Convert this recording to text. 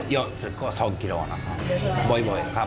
ยกสุดก็๒กิโลกรัมค่ะบ่อยครับ